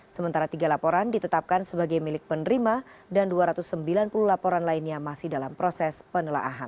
sementara tiga laporan ditetapkan sebagai milik penerima dan dua ratus sembilan puluh laporan lainnya masih dalam proses penelahan